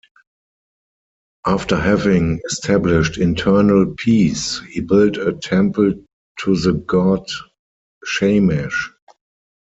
After having established internal peace, he built a temple to the god Shamash.